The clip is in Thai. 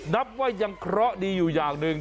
นับว่ายังเคราะห์ดีอยู่อย่างหนึ่ง